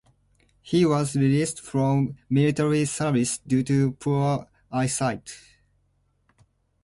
He was released from military service due to poor eyesight.